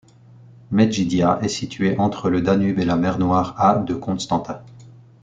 Medgidia est situé entre le Danube et la mer Noire, à de Constanța.